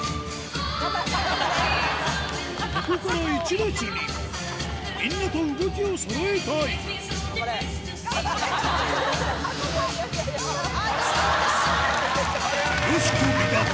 ここから１列にみんなと動きをそろえたいよしこ離脱！